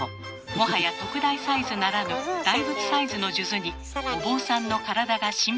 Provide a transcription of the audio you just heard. もはや特大サイズならぬ大仏サイズの数珠にお坊さんの体が心配です。